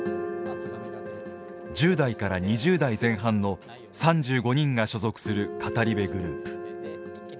１０代から２０代前半の３５人が所属する語り部グループ。